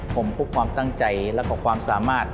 ผมพบความตั้งใจแล้วก็ความสามารถ